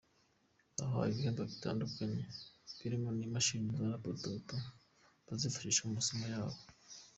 Bahawe ibihembo bitandukanye birimo n’imashini za Laptop bazifashisha mu masomo yabo.